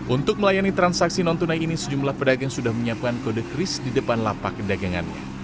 untuk melayani transaksi non tunai ini sejumlah pedagang sudah menyiapkan kode kris di depan lapak dagangannya